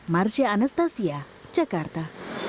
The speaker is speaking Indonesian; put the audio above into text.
marsya anastasia jakarta